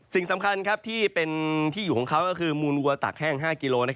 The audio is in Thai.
สิ่งสำคัญที่เป็นที่อยู่ของเขาก็คือมูลวัวตักแห้ง๕กิโล